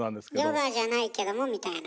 ヨガじゃないけどもみたいな。